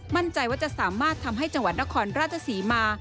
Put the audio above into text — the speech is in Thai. มั่นใจว่าจะสามารถทำให้จังหวัดนครราชศรีมา